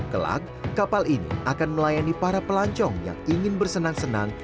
kelak kapal ini akan melayani para pelancong yang ingin bersenang senang